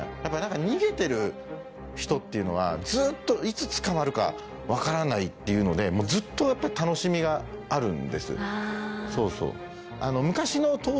逃げてる人っていうのはずっといつ捕まるか分からないっていうのでずっと楽しみがあるんです。